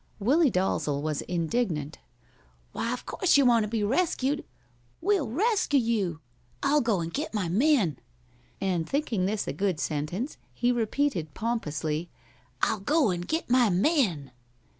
Willie Dalzel was indignant. "Why, of course you want to be rescued! We'll rescue you. I'll go and get my men." And thinking this a good sentence, he repeated, pompously, "I'll go and get my men."